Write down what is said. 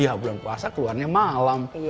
ya bulan puasa keluarnya malam